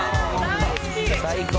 「最高！